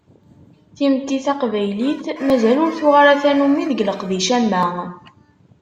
Timetti taqbaylit, mazal ur tuɣ ara tannumi deg leqdic am wa.